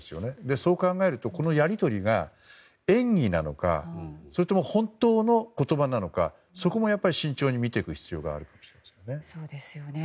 そう考えるとこのやり取りが演技なのかそれとも本当の言葉なのかそこも慎重に見ていく必要がありますよね。